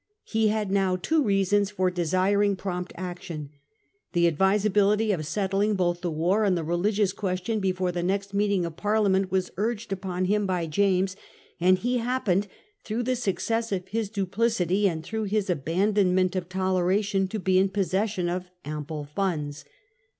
He had now two reasons for desiring prompt action. The advisability of settling both the war and the religious question before the next meet ing of Parliament was urged upon him by James ; and he happened, through the success of his duplicity, 1 88 Preparations of Lou\$ for War \ 1671. ,■* and through his abandonment of toleration, to be in possession of ample funds.